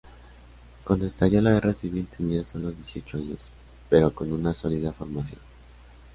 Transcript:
Cuando estalló la Guerra Civil tenía solo dieciocho años, pero con una sólida formación.